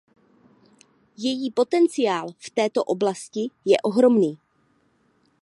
Její potenciál v této oblasti je ohromný.